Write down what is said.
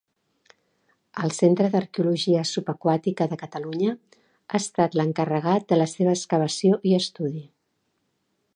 El Centre d'Arqueologia Subaquàtica de Catalunya ha estat l'encarregat de la seva excavació i estudi.